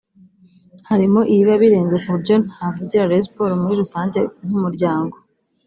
Harimo ibiba birenze ku buryo ntavugira Rayon Sports muri rusange nk’umuryango